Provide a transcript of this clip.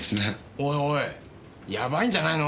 おいおいやばいんじゃないの？